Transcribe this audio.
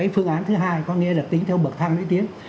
phương án thứ hai có nghĩa là tính theo bậc thang lũy tiến